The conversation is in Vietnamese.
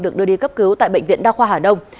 được đưa đi cấp cứu tại bệnh viện đa khoa hà đông